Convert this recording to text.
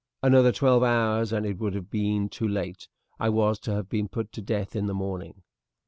"Another twelve hours and it would have been too late. I was to have been put to death in the morning."